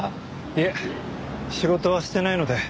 いえ仕事はしてないので。